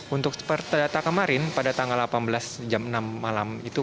untuk perdata kemarin pada tanggal delapan belas jam enam malam itu